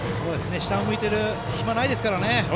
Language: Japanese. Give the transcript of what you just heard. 下を向いている暇はないですからね。